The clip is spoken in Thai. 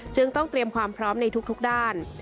จึงต้องเตรียมความพร้อมในทุกด้าน